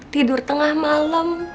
tidur tengah malem